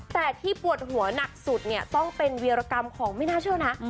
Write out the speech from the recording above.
แต่ที่ปวดหัวหนักสุดเนี่ยต้องเป็นวีรกรรมของไม่น่าเชื่อนะ